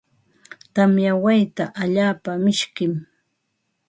Tamya wayta allaapa mishkim.